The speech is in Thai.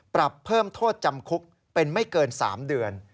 ปรับเพิ่มโทษจำคุกเป็นไม่เกิน๓เดือน